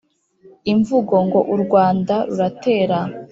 Imvugo ngo u Rwanda ruratera